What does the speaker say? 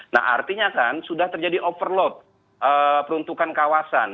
nah artinya kan sudah terjadi overload peruntukan kawasan